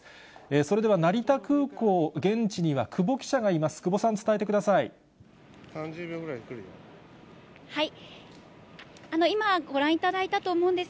それでは成田空港、現地には久保記者がいます。